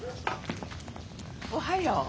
おはよう。